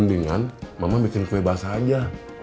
dengan mama bikin kue basah aja